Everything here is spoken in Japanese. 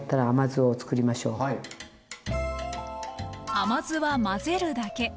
甘酢は混ぜるだけ。